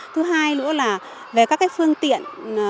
thứ hai nữa là về các phương tiện